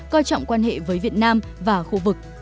coi trọng quan hệ với việt nam và khu vực